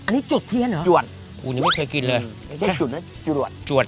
อันนี้จวดเทียนเหรอจวดคู่นี้ไม่เคยกินเลยไม่ใช่จวดนะจวด